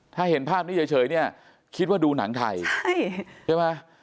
ถ้าเห็นภาพนี้เฉยเนี่ยคิดว่าดูหนังไทยใช่ไหม